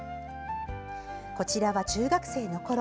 こちらは中学生のころ